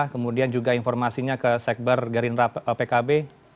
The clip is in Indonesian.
kemudian juga informasinya ke sekber gerindra pkb